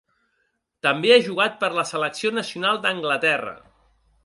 També ha jugat per la selecció nacional d'Anglaterra.